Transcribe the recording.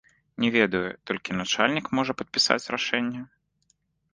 Не ведаю, толькі начальнік можа падпісаць рашэнне?